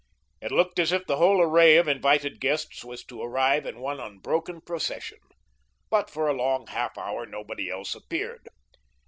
It looked as if the whole array of invited guests was to arrive in one unbroken procession, but for a long half hour nobody else appeared.